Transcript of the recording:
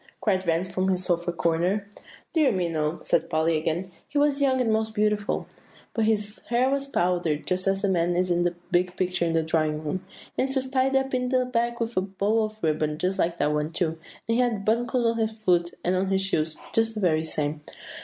cried Van from his sofa corner. "Dear me, no!" said Polly again; "he was young and most beautiful, but his hair was powdered, just as the man's is in the big picture in the drawing room; and it was tied up in the back with a bow of ribbon just like that one too; and he had buckles on his knees, and on his shoes, just the very same.